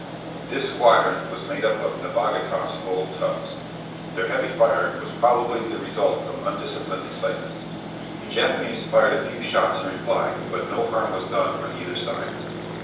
This squadron was made up of Nebogatoff's "old tubs." Their heavy fire was probably the result of undisciplined excitement. The Japanese fired a few shots in reply, but no harm was done on either side.